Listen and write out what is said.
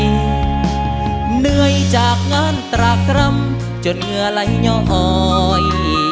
เหนื่อยจากงานตรากรรมจนเหงื่อไหลย่อออย